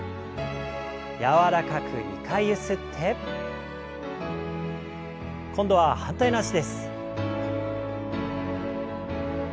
柔らかく２回ゆすって。今度は反対の脚です。